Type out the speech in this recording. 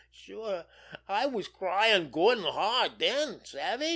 Sure, I was cryin' good an' hard den—savvy?